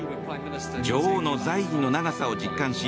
女王の在位の長さを実感し